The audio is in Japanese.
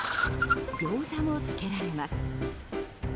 ギョーザもつけられます。